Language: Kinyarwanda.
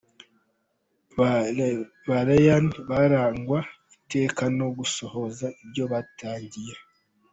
Ba Rayane barangwa iteka no gusohoza ibyo batangiye